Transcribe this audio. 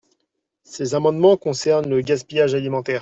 Ces amendements concernent le gaspillage alimentaire.